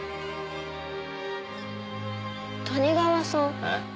谷川さん